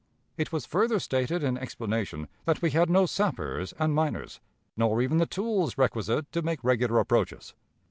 It was further stated in explanation that we had no sappers and miners, nor even the tools requisite to make regular approaches.